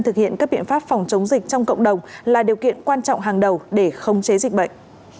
thực hiện các biện pháp phòng chống dịch trong cộng đồng là điều kiện quan trọng hàng đầu để không chế dịch bệnh